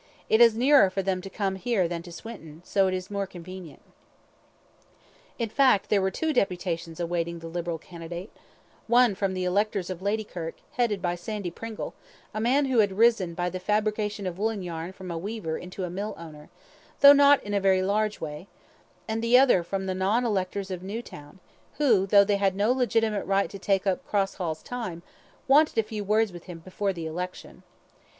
It is nearer for them to come here than to Swinton, so it is more convenient." In fact there were two deputations awaiting the Liberal candidate one from the electors of Ladykirk, headed by Sandy Pringle, a man who had risen by the fabrication of woollen yarn from a weaver into a millowner, though not in a very large way; and the other from the non electors of Newtown, who, though they had no legitimate right to take up Cross Hall's time, wanted a few words with him before election.